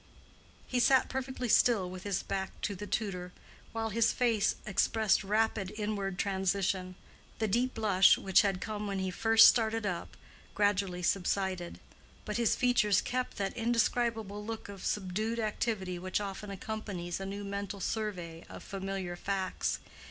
He sat perfectly still with his back to the tutor, while his face expressed rapid inward transition. The deep blush, which had come when he first started up, gradually subsided; but his features kept that indescribable look of subdued activity which often accompanies a new mental survey of familiar facts.